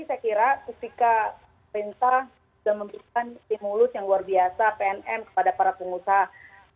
saya kira ketika perintah sudah memberikan stimulus yang luar biasa pnm kepada para pengusaha